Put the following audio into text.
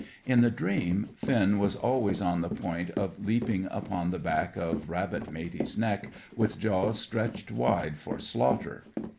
In the dream Finn was always on the point of leaping upon the back of rabbit Matey's neck, with jaws stretched wide for slaughter.